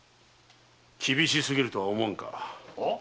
厳しすぎるとは思わぬか？